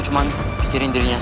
jadi gini loh